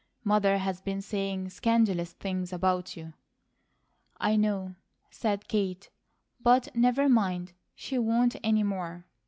Mother has been saying scandalous things about you." "I know," said Kate. "But never mind! She won't any more."